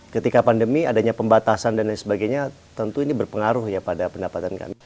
ketika pandemi adanya pembatasan dan lain sebagainya tentu ini berpengaruh ya pada pendapatan kami